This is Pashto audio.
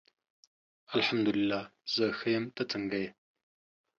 الحمد الله زه ښه یم ته څنګه یی